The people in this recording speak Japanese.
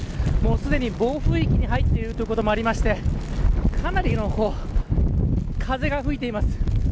すでに暴風域に入っているということもありましてかなりの風が吹いてます。